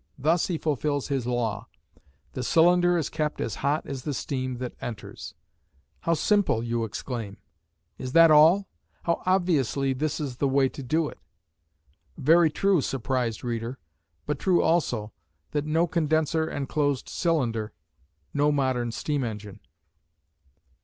Thus he fulfils his law: "The cylinder is kept as hot as the steam that enters." "How simple!" you exclaim. "Is that all? How obviously this is the way to do it!" Very true, surprised reader, but true, also, that no condenser and closed cylinder, no modern steam engine.